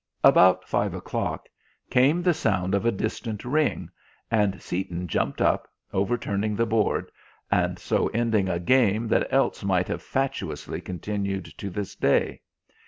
About five o'clock came the sound of a distant ring, and Seaton jumped up, overturning the board, and so ending a game that else might have fatuously continued to this day.